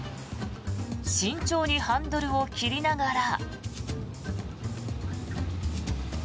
慎重にハンドルを切りながら。